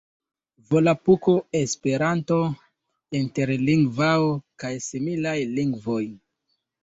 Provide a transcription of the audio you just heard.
Volapuko, Esperanto, Interlingvao kaj similaj lingvoj.